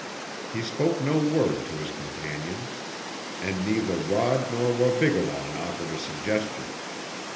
He spoke no word to his companions, and neither Rod nor Wabigoon offered a suggestion.